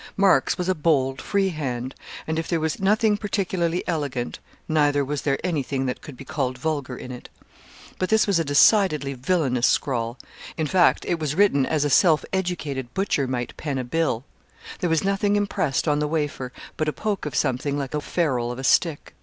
Mark's was a bold, free hand, and if there was nothing particularly elegant, neither was there anything that could be called vulgar in it. But this was a decidedly villainous scrawl in fact it was written as a self educated butcher might pen a bill. There was nothing impressed on the wafer, but a poke of something like the ferrule of a stick.